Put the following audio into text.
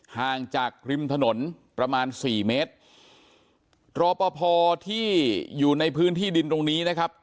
ห่างจากริมถนนประมาณสี่เมตรรอปภที่อยู่ในพื้นที่ดินตรงนี้นะครับ